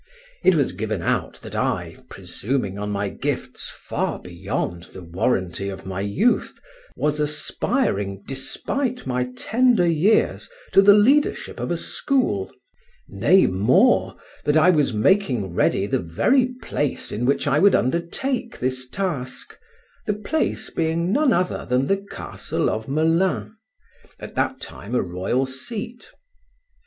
It was given out that I, presuming on my gifts far beyond the warranty of my youth, was aspiring despite my tender, years to the leadership of a school; nay, more, that I was making read the very place in which I would undertake this task, the place being none other than the castle of Melun, at that time a royal seat.